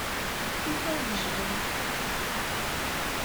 Anta i yejlan?